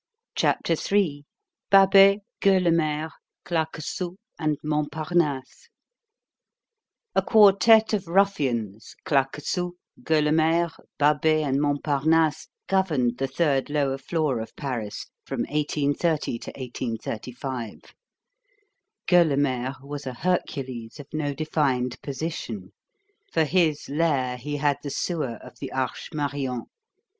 CHAPTER III—BABET, GUEULEMER, CLAQUESOUS, AND MONTPARNASSE A quartette of ruffians, Claquesous, Gueulemer, Babet, and Montparnasse governed the third lower floor of Paris, from 1830 to 1835. Gueulemer was a Hercules of no defined position. For his lair he had the sewer of the Arche Marion.